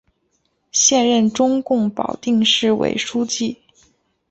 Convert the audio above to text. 现任中共保定市委书记。